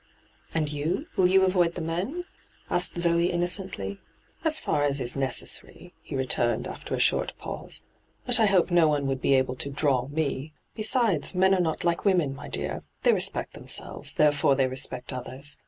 ' And you ? Will you avoid the men V asked Zoe innocently. ' As fer as is necessary,' he returned, after a short pause. ' But I hope no one would he able to " draw " me. Besides, men are not like women, my dear ! They respect them selves, therefore they respect others.